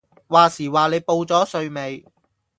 話時話你報咗稅未